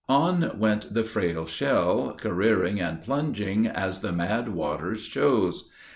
On went the frail shell, careering and plunging as the mad waters chose.